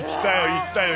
行ったよ